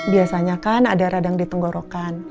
biasanya kan ada radang di tenggorokan